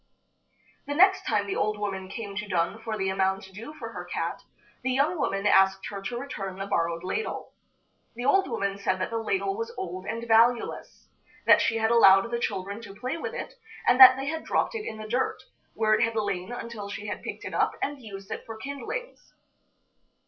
The next time the old woman came to dun for the amount due for her cat, the young woman asked her to return the borrowed ladle. The old woman said that the ladle was old and valueless; that she had allowed the children to play with it, and that they had dropped it in the dirt, where it had lain until she had picked it up and used it for kindlings.